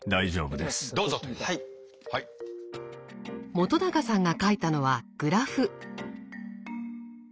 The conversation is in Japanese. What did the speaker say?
本さんが書いたのはグラフ。